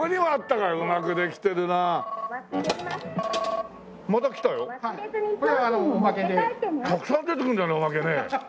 たくさん出てくるんだねおまけね。